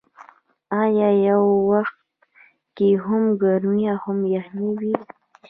آیا په یو وخت کې هم ګرمي او هم یخني نه وي؟